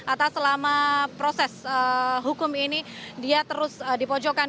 atau selama proses hukum ini dia terus dipojokkan